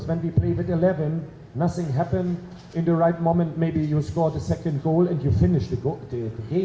pada saat yang benar mungkin anda menangkan gol kedua dan anda selesai